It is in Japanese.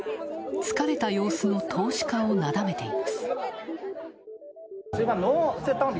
疲れた様子の投資家をなだめています。